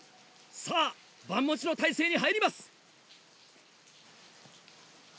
さぁ盤持ちの体勢に入ります。